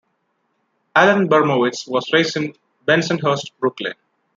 Alan Bermowitz was raised in Bensonhurst, Brooklyn.